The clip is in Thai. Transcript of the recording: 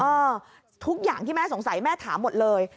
ทุกอย่างที่แม่สงสัยแม่ถามหมดเลย